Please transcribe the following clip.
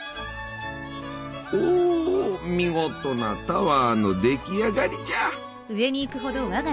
おお見事なタワーの出来上がりじゃ！